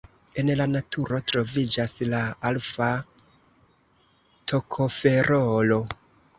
En la naturo troviĝas la alfa-tokoferolo.